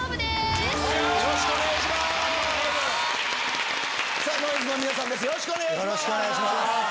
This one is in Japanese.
よろしくお願いします。